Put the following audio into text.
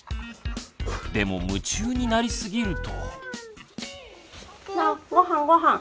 でも夢中になりすぎると。